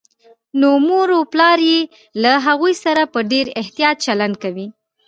نو مور و پلار يې له هغوی سره په ډېر احتياط چلند کوي